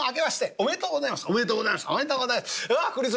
おめでとうございます。